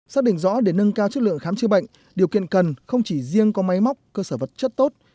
xác định rõ để nâng cao chất lượng khám chữa bệnh điều kiện cần không chỉ riêng có máy móc cơ sở vật chất tốt